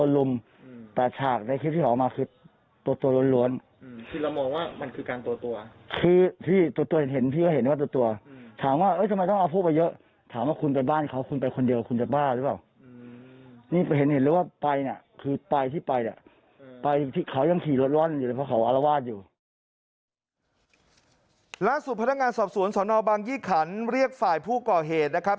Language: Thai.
ล่าสุดพนักงานสอบสวนสนบางยี่ขันเรียกฝ่ายผู้ก่อเหตุนะครับ